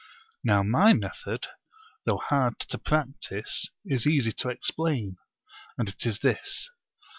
Now my method, though hard to practise, is easy to explain; and it is this.